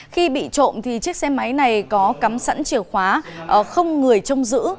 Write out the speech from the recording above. khi bị trộm thì chiếc xe máy này có cắm sẵn chìa khóa không người trông giữ